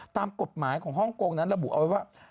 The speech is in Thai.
ตามกฎหมายของฮ่องกงนั้นระบุเอาไว้ว่า